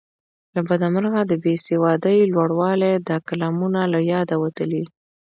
له بده مرغه د بې سوادۍ لوړوالي دا کلامونه له یاده وتلي.